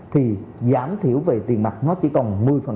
thì giảm thiểu về tiền mặt nó chỉ còn một mươi